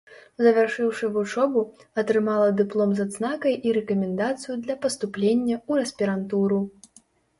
Завяршыўшы вучобу, атрымала дыплом з адзнакай і рэкамендацыю для паступлення ў аспірантуру.